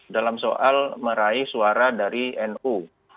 dalam soal meraih suara dari nu